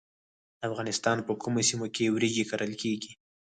د افغانستان په کومو سیمو کې وریجې کرل کیږي؟